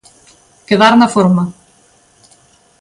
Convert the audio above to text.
Quedar na forma.